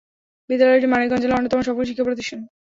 বিদ্যালয়টি মানিকগঞ্জ জেলার অন্যতম সফল শিক্ষা প্রতিষ্ঠান।